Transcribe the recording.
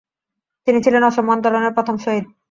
তিনি ছিলেন অসম আন্দোলনের প্রথম শহীদ।